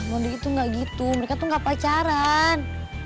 mondi itu nggak gitu mereka tuh gak pacaran